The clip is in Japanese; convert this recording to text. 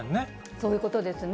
そういうことですね。